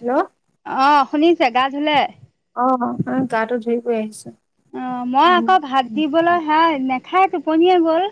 Hello আহ শুনিছে গা ধুলে? অ', গাটো ধুই কৰি আহিছো। অ', মই আকৌ ভাত দিবলৈ হে নেখাই টোপনিয়ে গল।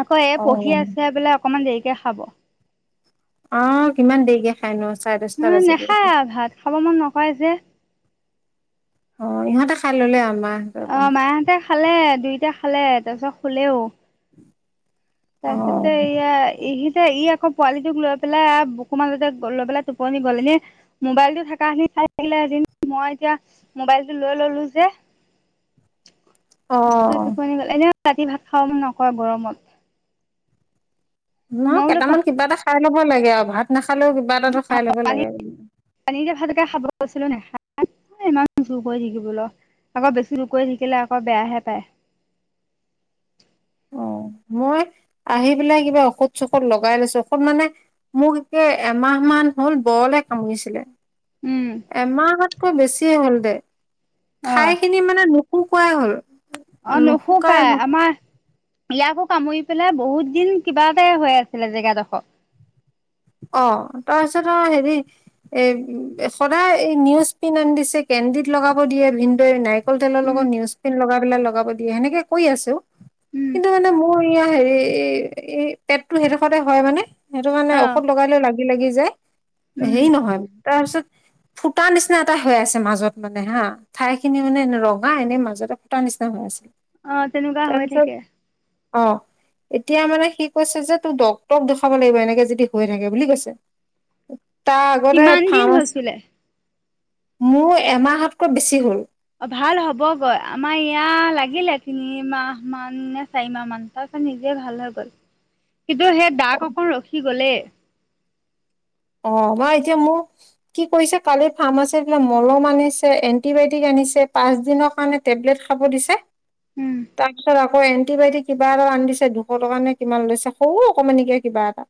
আকৌ এই পঢ়ি অ'। আছে বোলে অকমান দেৰিকে খাব। অ', কিমান দেৰিকে খাই নো উম, নাখায় আৰু ভাত খাব মন নকৰে যে। অ', ইহঁতে খাই ললে আম অ', মাহঁতে খালে দুইটা খালে তাৰপিছত শুলেও। অ'। তাৰপিছতে ইয়া ইহিতে ই আকৌ পোৱালিটোক লৈ পেলাই বকুমানতে লৈ পেলাই টোপনি গ'ল এনে মোবাইল টো থকা খিনি চাই থাকিলে আজি মই এতিয়া মোবাইলটো লৈ ললো যে। [unintelligible] অ', টোপনি গল এনে ৰাতি ভাত খাওঁ মন নকয় গৰমত। ন মই বোলো কেইটামান কিবা এটা খাই ল'ব লাগে আৰু ভাত নাখ খালেও কিবা এটাটো খাই ল'ব পানী লাগে। পানীতে ভাতকে খাব কৈছিলো নেখায় ইমান চোৰ কৰি থাকিবোলৈ আকৌ বেছি চোৰ কৰি থাকিলে আকৌ বেয়াহে পায়। [unintelligible] মই আহি পেলাই কিবা ঔষধ চষধ লগাই লৈছো ঔষধ মানে মোক একে এমাহ আহাহ মান হ'ল বৰলে কামুৰিছিলে। উম এমাহতকৈ বেছি হ'ল দে অ ঠাইখিনি মানে কোক কাই হ'ল। অ' নুশুকাই আমাৰ ইয়াকো কামুৰি পেলাই বহুত দিন কিবা এটা হৈ আছিলে জেগাডোখৰ। অ' তাৰপিছত অ হেৰি এ সদায় এই নিউজ পিন আনি দিছে কে কেণ্ডিত লগাব দিয়ে ভিনদৈ নাৰিকল তেলৰ উম লগত নিউজ পেন লগাই লগাব দিয়ে সেনেকে কৈ আছো। উম কিন্তু মানে মোৰ ইয়া হেৰি পেটটো সেইডোখৰতে হয় মানে সেইটো মানে অ লাগি লাগি যায় উম হেৰি নহয় তাৰপিছত ফুটাৰ নিচিনা এটা হৈ আছে মাজত মানে হা ঠাই খিনি মানে এনে ৰঙা এনেই মাজতে ফুটা নিচিনা হৈ আছে। অ' তেনেকুৱা হৈ তাৰপিছত থাকে। অ' এতিয়া মানে সি কৈছে যে তোৰ ডটক দেখুৱাব লাগিব এনেকে যদি হৈ থাকে বুলি কৈছে তাৰ আগতে কিমান দিন ফাৰ্ম আছে হৈছিলে মোৰ এমাহতকৈ বেছি হ'ল। অ ভাল হ'বগৈ আমাৰ ইয়া লাগিলে তিনিমাহ মান নে চাৰিমাহ মান তাৰপছত নিজে ভাল হয় গ'ল। [inaudible] কিন্তু সেই দাগ অকণ ৰখি গ'লেই অ', বাৰু এতিয়া মোক কি কৰিছে কালি ফাৰ্ম আছে পলে মলম আনিছে এন্টিবায়টিক আ উম [unintelligible] ৰা বাইটি কিবা এটা আন্ধ দিছে দুশ টকাৰ নে কিমান লৈছে সৌ অকমান নকে কিবা এটা।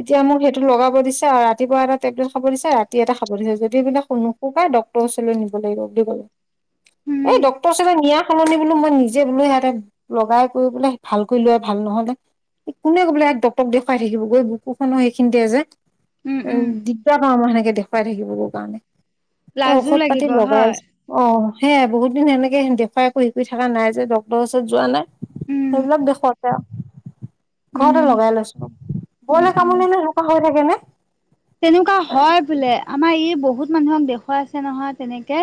এতিয়া মোক সেইটো লগাব খাব দিছে আৰু ৰাতিপুৱা এটা টেবলেট খাব দিছে ৰাতি এটা খাব দিছে যদি পবাক নুসুকাই ডক্ৰ ৰওচৰলৈ নিব লাগিব। এই উম ড্টৰ নিয়া সলনি বোলো মই নিজে বোলো সিহঁতে লগাই কৰি বোলে ভালকৈ লোৱ ভাল নহলে কোনে বোলে এক দতক দেখুৱাই থাকিব গৈ বুকুখনো সেইখিনিতে যে। উম, দিগদাৰ পাৰ আমাৰ সেনেকে দেখুৱাই থাকিব কাৰণে এ লাজো ঔষধ পাতি লাগিব লগাই হয় আছো অ'। সেয়াই বহুত দিন সেনেকে দেখুৱাই একো হেক কৰি থকা নাই যে ড্ক্তৰৰ ওচৰত যোৱা নাই। উম সেইবিলাক দেশতে উম ঘৰতে লগাই লৈছো উম বৰলে উম কামনিে লুকা হৈ থাকে নে। তেনেকুৱা হয় বোলে আমাৰ ই বহুত মানুহক দেখুৱাই আছে নহয় তেনেকে।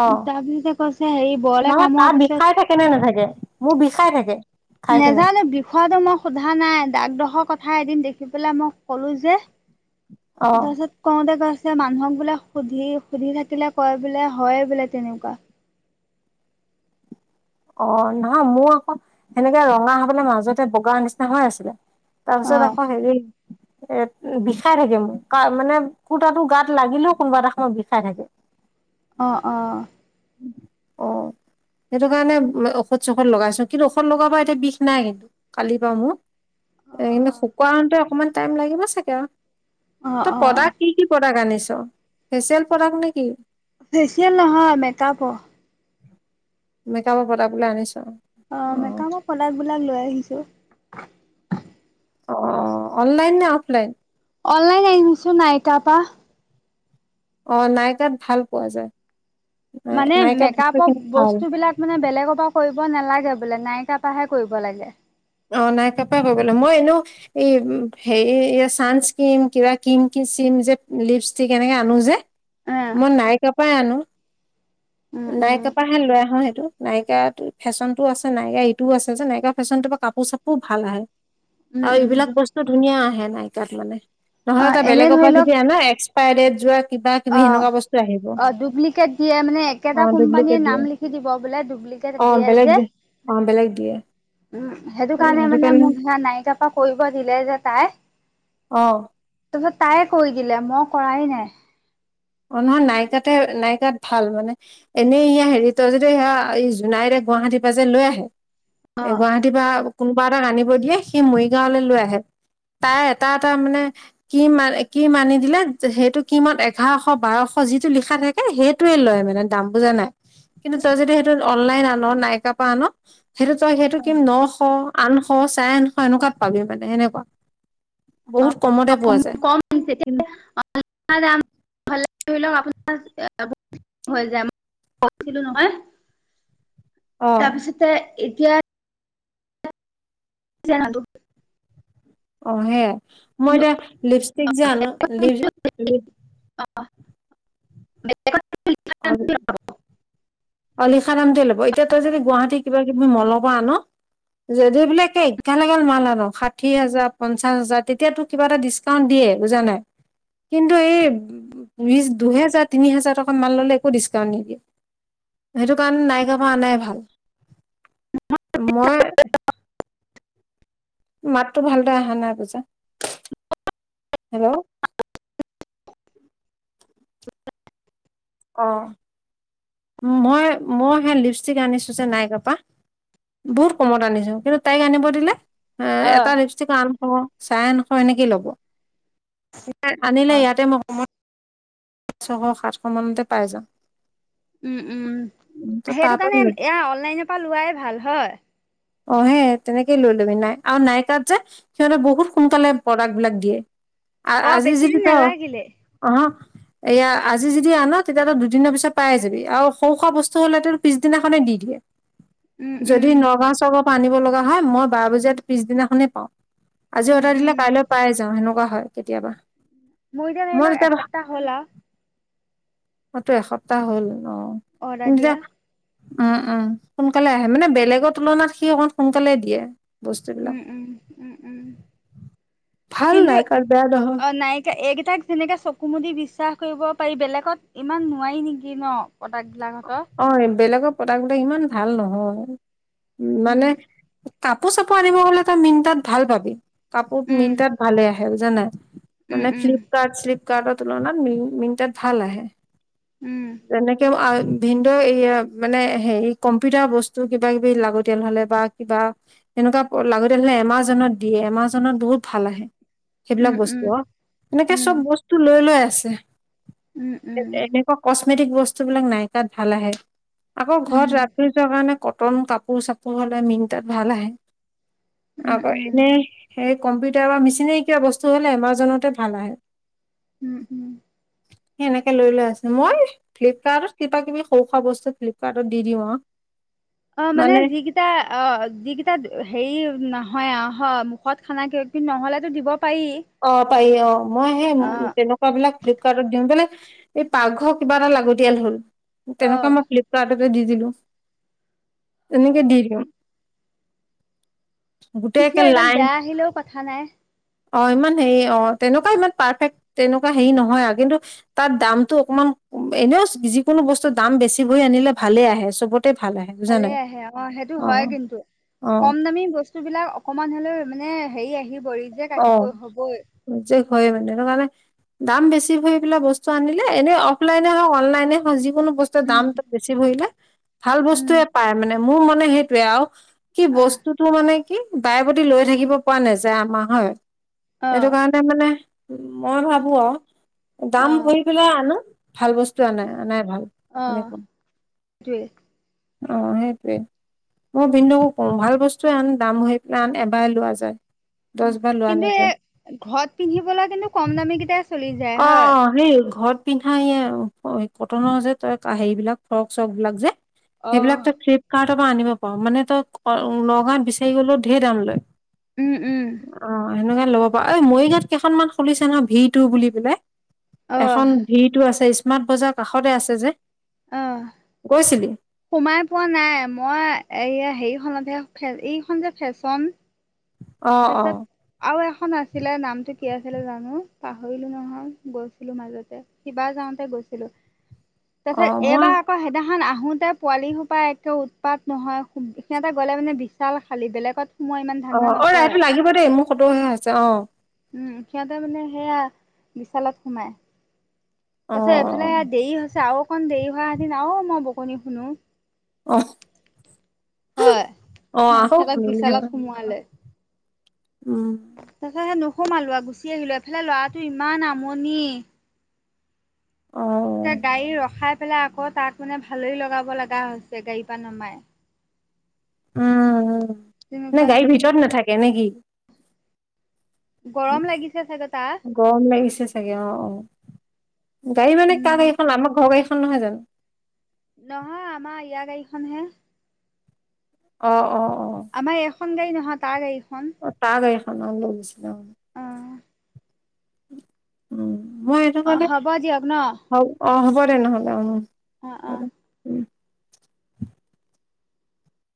অ তাৰ পিছতে কৈছে হে বৰলে নহয় তাৰ কামোৱাৰ বিষাই থাকে নে নাথাকে মোৰ পিছত বিষাই থাকে ঠাইখিনি নেজানো বিষয়টো মই সোধা নাই। দাকডোখৰ কথা এদিন দেখি পেলাই মই কলো যে অ তাৰপিছত কওঁতে গৈ মানুহক বোলাক সুধি সুধি থাকিলে কয় বোলে হয়ে বোলে তেনেকুৱা। অ', নহয় মোৰ আকৌ সেনেকে ৰঙা হবলে মাজতে বগা নিচিনা হৈ আছিলে। তাৰপিছত অ', আকৌ হেৰি এ বিষাই থাকে মোক মানে কটাাতটো গাত লাগিলেও কোনোবা এটা সময় বিষাই থাকে। [inaudible] অ', অ'। অ'। সেইটো কাৰণে ঔষধ চৌষধ লগাইছো। কিন্তু ঔষধ লগোৱাৰ পা এতিয়া বিষ নাই কিন্তু, কালি পা মোৰ এ, কিন্তু শুকুৱাওতে অকনমান টাইম লাগিব চাগে আৰু অ', তই অ', প্ৰডাক্ট কি কি প্ৰডাক্ট আনিছ? ফেচিয়েল প্ৰডাক্ট নেকি? ফেচিয়েল নহয়, মেকাপৰ। মেকআপৰ প্ৰডাক্ট বিলাক আনিছ। অ', মেকাপৰ প্ৰডাক্ট বিলাক লৈ আহিছো। অ', অনলাইন নে অফলাইন? অনলাইন আনিছো, নাইকাৰ পা। অ', নাইকাত ভাল পোৱা যায়। নাই মানে, নাইকা মেকআপৰ বস্তুখিনি ভাল বস্তু বিলাক মানে বেলেগৰ পৰা কৰিব [unintelligible] নালাগে বোলে, নাইকা পাহে কৰিব লাগে। অ', নাইকাপা কৰিব লাগে, মই এনেওঁ এই হেৰি চানস্কিম কিবা কিম কি [unintelligible] যে লিপষ্টিক এনেকে আনো যে অ', মই নাইকা পাই আনো। উম, নাইকা উম, পাহে লৈ আহো সেই [unintelligible] নাইকা ফেশ্বনটো আছে, নাইকা এইটোও আছে যে, নাইকা ফেশ্বনটোৰ পৰা কাপোৰ চাপুৰো ভাল আহে। উম, আৰু উম, এইবিলাক বস্তু ধুনীয়া আহে নাইকাত মানে। নহলে অ', তই এনে বেলেগৰ ধৰি পৰা লওক যদি আনা এক [unintelligible] যোৱা কিবা কিবি অ', সেনেকুৱা বস্তু আহিব অ', ডুপ্লিকেট দিয়ে মানে, অ একেটা কোম্পানীয়ে ডুপ্লিকেট নাম দিয়ে লিখি দিব বোলে ডুপ্লিকেট অ', দিয়ে বেলেগ যে। দে, অ', বেলেগ দিয়ে। উম, সেইটো কাৰণে মানে মোক সে নাইকা পৰা কৰিব দিলে যে তাই অ'। [unintelligible] তাই কৈ দিলে, মই কৰাই নাই। অ', নহয় নাইকা নাইকাত ভাল মানে। এনেই ই হেৰি তই যদি, স জোনাই গুৱাহাটীৰ পৰা যে লৈ আহে। এ, অ', গুৱাহাটীৰ পৰা কোনোবা এটাক আনিব দিয়ে, সি মৰিগাঁৱলৈ লৈ আহে। তাৰ এটা এটা মানে, কিম-কিম আনি দিলে সেইটো কিমত এঘাৰশ [unintelligible] বাৰশ যিটো লিখা থাকে, সেইটোৱে লয় মানে দাম বুজা নাই কিন্তু তই যদি সেইটো অনলাইন আন, নাইকাপা আন সেইটো তই সেইটো কিম নশ, আঠশ, চাৰে আঠশ এনেকুৱাত পাবি মানে সেনেকুৱা। বহুত [unintelligible] [unintelligible] কমতে পোৱা যায় কিন্তু নহয়। অ তাৰপিছতে এতিয়া [unintelligible] অ', হেয়াই, মই এতিয়া লিপষ্টিক যে আনো, লিপ অ', [unintelligible] [unintelligible] অ', লিখা দামটোৱে ল'ব। এতিয়া তই যদি গুৱাহাটী কিবা কিবি মল'ৰ পৰা আন যদি বোলে এগাল এগাল মাল আন, ষাঠি হাজাৰ, পঞ্চাশ হাজাৰ তেতিয়া তোক কিবা এটা ডিছকাউণ্ট দি [unintelligible] বুজা নাই। কিন্তু এই, বিশ, দুহেজাৰ, তিনি হেজাৰ টকা মাল ললে একো ডিচকাউণ্ট নিদিয়ে। [inaudible] সেইটো কাৰণে নাইকাপা অনাই ভাল। মই মাতটো ভালদৰে অহা নাই পূজা। হেল্ল'। [inaudible] অ', মই-মই সেই লিপষ্টিক আনিছো যে নাইকাপা বহুত কমত আনিছো। কিন্তু তাইক আনিব দিলে এ-এটা অ', লিপষ্টিক আঠশ, চাৰে নশ এনেকেই ল'ব। আনিলে অ', ইয়াতে ম-মই ছশ সাতশ মানতে পাই যাম। উম, উম সেইটো কাৰণে পৰা এয়া অনলাইনৰ পৰা লোৱাই ভাল হয়। অ' সে তেনেকেই লৈ লবি নাই আৰু নাইকাত যে সিহঁতে বহুত সোনকালে প্ৰডাক্ট বিলাক দিয়ে। আৰু অ', আজি বেছি যি দিন তই নালাগিলে। অহ এয়া আজি যদি আন তেতিয়াতো দুদিনৰ পিছত পাই যাবি আৰু সৰু খোৱা বস্তু হলে পিছদিনাখনে দি দিয়ে। উম, উম, যদি নগাঁও চৰকাৰৰ পৰা আনিব লগা হয় মই বাৰ বজিয়াত পিছদিনাখনেই পাওঁ। আজি উম, অৰ্ডাৰ উম, দিলে কাইলৈ পাই যাওঁ সেনেকুৱা হয় কেতিয়াবা। মোৰ এতিয়া ধৰি লওক এসপ্তাহ হ'ল আৰু। মটো এসপ্তাহ হ'ল। অ অদাৰ তেতিয়া দিয়া। উম, উম সোনকালে আহে মানে বেলেগৰ তুলনাত সি অকমান সোনকালে দিয়ে। বস্তুবিলাক উম, উম, উম, উম। ভাল কিন্তু নাই কাৰণ বেয়া নহয় অ' নাইিকা এইকেইটাক যেনেকাে চ কুমুদি বিশ্বাস কৰিব পাৰি বেলেগত ইমান নোৱাৰি নেকি ন'? প্ৰডাক্ট বিলাকহঁতৰ। অ' বেলেগৰ প্ৰডাক্ট বিলাক ইমান ভাল নহয় উম, মানে উম, কাপোৰ চাপোৰ আনিব হলে তই মিনটাত ভাল পাবি কাপোৰত উম, মিনটাত ভালে আহে বুজানাই। উম, মানে উম, ফ্লিপকাৰ্ট শ্লিপকাৰ্টৰ তুলনাত ম মিনটাত ভাল আহে। উম, যেনেকে ভিনদ এই মানে হেৰি কম্পিউটাৰ বস্তু কিবা কিবি লাগতিয়াল হলে বা কিবা তেনেকুৱা লাগতি হলে এমাজনত দিয়ে এমাজনত বহুত ভাল আহে। সেইবিলাক উম, বস্তু উম, অ' এনেকে উম, চ'ব বস্তু লৈ লৈ আছে। উম, উম, এনেকুৱা কচমেটিক বস্তুবলাক নাইকাত ভাল আহে। আকৌ উম, ঘৰত ৰাতি যোৱাৰ কাৰণে কটন কাপোৰ চাপোৰ হ'লে মিনটাত ভাল আহে। উম, উম, আকৌ এনে সেই কম্পিউটাৰ বা মেচিনেৰি কিবা বস্তু হ'লে এমাজনতে ভাল আহে। উম, উম। এনেকে লৈ লৈ আছে মই ফ্লিপকাৰ্ট কিবা কিবি সৰু খোৱা বস্তু ফ্লিপকাৰ্টত দি দিওঁ অ'। অ' মানে যিকেইটা অ' যিকেইটা হেৰি নহ হয়, হয় মুখত খানা কে কিন্তু নহ'লেতো দিব পাৰি অ' পাৰি অ' মই সেই অ তেনেকুৱা বিলাক ফ্লিপকাৰ্টত দিওঁ বলে এই পাকঘৰ কিবা এটা লাগতিয়াল হ'ল অ তেনেকুৱা মই ফ্লিপ্ দি দিলো অ তেনেকে দি দিওঁ। গোটেই একে তেতিয়া ইমান লাইন বেয়া আহিলেও কথা নাই। অ' ইমান হেৰি অ' তেনেকুৱা ইমান পাৰফেক্ট তেনেকুৱা হেৰি নহয় আৰু কিন্তু তাত দামতটো অকমান এনেও যিকোনো বস্তুৰ দাম বেছি বহ আনিলে ভালে আহে চবত ভালে আহে অ' সেইটো হয় কিন্তু অ কম দামী বস্তু বিলাক অকমান হলেও মানে হেৰি আহিব ৰিজেক্ট অ' আহি হ'বই হয় মানে সেইটো কাৰণে দাম বেছি ভৰি পেলাই বস্তুনিলে এনে অফলাইনে হওঁক অনলাইনে হওঁ যি কোনো বস্তুৰৰ দাম উম ত বেছি ভৰিলে ভাল উম বস্তুৱয়ে পায় মানে মোৰ মানে সেইটয়ে আৰু কি বস্তুটো মানে কি বাই প্ৰতি লৈ থাকিব পৰা নেযায় আমাৰ হয় অ সেইটো কাৰণে মানে মই ভাবো আৰু অ দাম ভৰি পেলাই আনো। ভাল বস্তু আনে, আনে ভাল অ এনেকুৱা। সেইটোৱে অ' সেইটোৱেই। মই বিন্দুকো কওঁ ভাল বস্তুৱয়ে আন দাম হৈ পেলাই আন এবাৰ লোৱা যায়। দহ উম, বাৰ লোৱা কিন্তু এ নাযায় ঘৰত পিন্ধিবলৈ কিন্তু কম দামী কেইটাই চলি যায় হয় অ' সেই ঘৰত পিন্ধা এই কটনৰ যে তই হেৰি বিলাক ফ্ৰক চৰক বিলাক যে অ সেইবিলাক তই ফ্লিপকাৰ্টৰ পৰা আনিব পাৰো মানে তই নগাঁও বিচাৰি গ'লেও ঢেৰ দাম লয়। উম, উম। অ', সেনেকা লব পা এই মৰি গাঁৱত কেইখনমান খুলিছে ন ভিতু বুলি পেলাই। অ এখন ভি টো আছে স্মাৰ্ট বজাৰৰ কাষতে আছে যে অ গৈছিলি? সোমাই পোৱা নাই মই এই হেৰিখনতহে এইখন যে ফেশ্বন অ অ তাৰপিছত আৰু এখন আছিলে নামতটো কি আছিলে জানো পাহৰিলো নহয় গৈছিলো মাজতে সিবাৰ যাওঁতে গৈ ছিলোঁ তাৰ অ পিছত মই এইবাৰ আকৌ সেদিনাখন আহোঁতে পোৱালিসোপা একে উৎপাত নহয় সিহঁতে গ'লে মানে বিশাল খালী বেলেগত সোমোৱা ইমান অ ধান্দা অ নক ৰাইটো লাগিব দেই মোৰ সতৰ হে আছে অ'। উম, সিহঁতে মানে সেয়া বিশালত সোমাই। অ তাৰপিছত এইফালে দেৰি হৈছে আৰু অকণ দেৰি হোৱাহেতেন আৰু মই বকনি শুনো। আহ হয় আহ আহ সিহঁতক মিল থ বিশালত [unintelligible] সোমোৱালে তাৰপিছত সে নোসোমালো আৰু গুচি আহিলো এফালে ল'ৰাটো ইমান আমনি। অ উম একে গাড়ী ৰখাই পেলাই আকৌ তাক মানে ভালৰি লগাব লগা হৈছে গাড়ীৰ পৰা নমাই। উম, তেনেকুৱা নে গাড়ীৰ নিচিনা ভিতৰত নাথাকে নে কি? গৰম লাগিছে চাগে তাৰ গৰম লাগিছে চাগে অ', অ'। গাড়ী মানে কাৰ উম গাড়ীখন আমাৰ ঘৰ গাড়ীখন নহয় জানো? নহয় আমাৰ ইয়াৰ গাড়ী খন হে। অ', অ', অ'। আমাৰ এখন গাড়ী নহয় তাৰ গাড়ীখন। অ', তাৰ গাড়ী খন অ', লৈ গৈছিল অ'। উম, মই সেইটো অ কাৰণে হ'ব দিয়ক ন হ অ', হ'ব দে নহ'লে অ'। অ' হ'ব অ'। দে [inaudible]